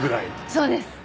そうですね。